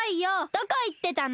どこいってたの？